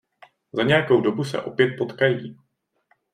Za nějakou dobu se opět potkají...